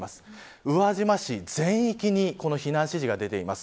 宇和島市全域に避難指示が出ています。